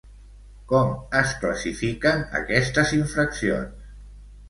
Com es classifiquen aquestes infraccions?